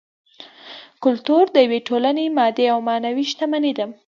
کولتور د یوې ټولنې مادي او معنوي شتمني ده